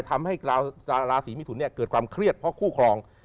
ทำให้ราศีมิถุนเกิดความเครียดเพราะคู่ครอง